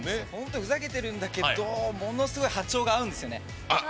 ふざけてるんだけどものすごい波長が合うんですよね。